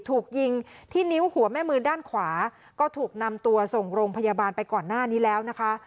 ถูกยิงที่นิ้วหัวแม่มือด้านขวาก็ถูกนำตัวส่งโรงพยาบาลไปก่อนหน้านี้แล้วนะคะ